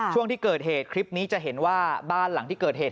ช่วงที่เกิดเหตุคลิปนี้จะเห็นว่าบ้านหลังที่เกิดเหตุ